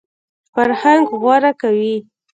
فرهنګ غوره کوي.